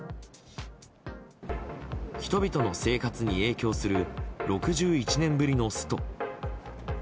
人々の生活に影響する６１年ぶりのスト。